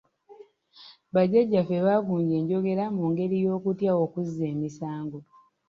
Bajjajjaffe baagunja enjogera mu ngeri y’okutya okuzza emisango.